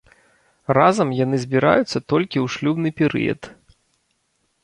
Разам яны збіраюцца толькі ў шлюбны перыяд.